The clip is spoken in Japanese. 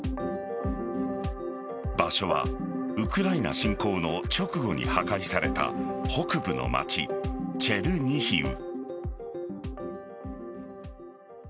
場所はウクライナ侵攻の直後に破壊された北部の街・チェルニヒウ。